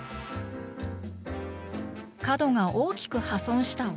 角が大きく破損した大皿。